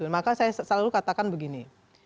maka saya selalu katakan begini